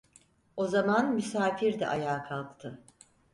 O zaman misafir de ayağa kalktı: